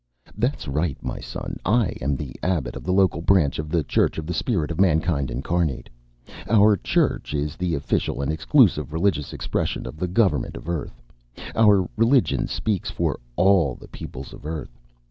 _) "That's right, my son, I am the abbot of the local branch of the Church of the Spirit of Mankind Incarnate. Our church is the official and exclusive religious expression of the government of Earth. Our religion speaks for all the peoples of Earth.